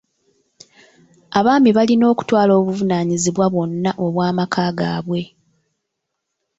Abaami balina okutwala obuvunaanyibwa bwonna obw'amaka gaabwe.